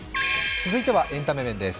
続いてはエンタメ面です。